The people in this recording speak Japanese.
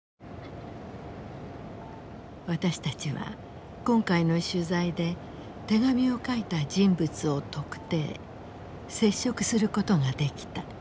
私たちは今回の取材で手紙を書いた人物を特定接触することができた。